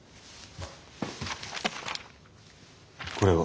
これは。